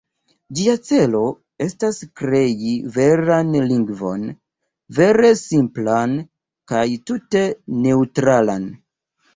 Ĝia celo estas krei veran lingvon, vere simplan kaj tute neŭtralan.